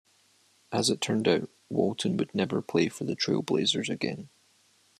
As it turned out, Walton would never play for the Trail Blazers again.